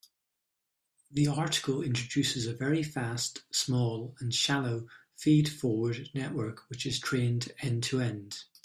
The article introduces a very fast, small, and shallow feed-forward network which is trained end-to-end.